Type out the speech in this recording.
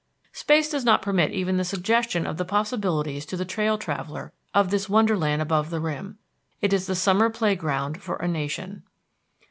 Space does not permit even the suggestion of the possibilities to the trail traveller of this wonderland above the rim. It is the summer playground for a nation.